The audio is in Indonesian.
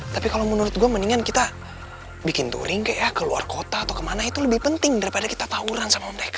tapi kalau menurut gue mendingan kita bikin touring kayak keluar kota atau kemana itu lebih penting daripada kita tawuran sama mereka